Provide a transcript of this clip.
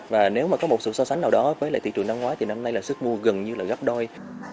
và nếu mà có một sự so sánh nào đó với lại thị trường năm ngoái thì năm nay là sức mua gần như là gấp đôi